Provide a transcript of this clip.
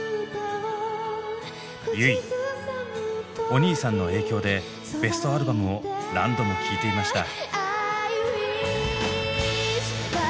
お兄さんの影響でベストアルバムを何度も聴いていました。